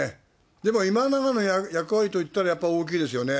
でも今永の役割といったら、やっぱ大きいですよね。